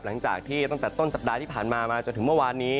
หลังจากที่ตั้งแต่ต้นสัปดาห์ที่ผ่านมามาจนถึงเมื่อวานนี้